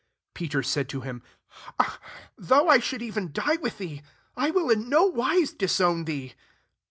35 Peter said to him, "Though I should even die with thee, I will in no wise disown thee."